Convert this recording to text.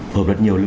phù hợp rất nhiều